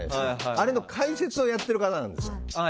あれの解説やってる方なんですよ。